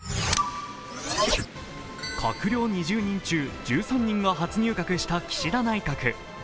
閣僚２０人中１３人が初入閣した岸田内閣。